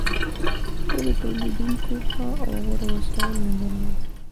ټولو تولیدونکو ښه او غوره وسایل نه درلودل.